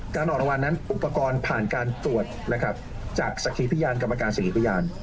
การออกรางวัลนั้นอุปกรณ์ผ่านการตรวจจากศักดิ์พิญญาณกรรมการศักดิ์พิญญาณ